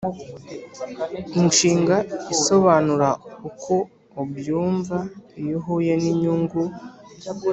inshinga isobanura uko ubyumva iyo uhuye ninyungu